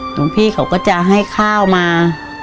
หลวงพี่เขาก็จะให้ข้าวมา